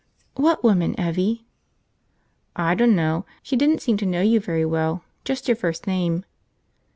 "What woman, Evvie?" "I dunno. She didn't seem to know you very well, just your first name."